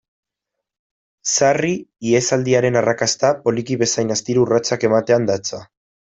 Sarri, ihesaldiaren arrakasta, poliki bezain astiro urratsak ematean datza.